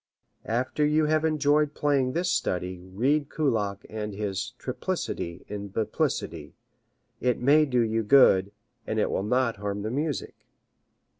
After you have enjoyed playing this study read Kullak and his "triplicity in biplicity." It may do you good, and it will not harm the music.